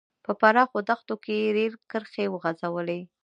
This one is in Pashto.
په پراخو دښتو کې یې رېل کرښې وغځولې.